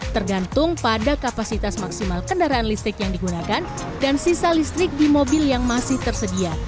tergantung pada kapasitas maksimal kendaraan listrik yang digunakan dan sisa listrik di mobil yang masih tersedia